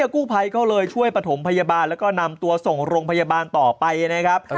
กู้ภัยก็เลยช่วยประถมพยาบาลแล้วก็นำตัวส่งโรงพยาบาลต่อไปนะครับ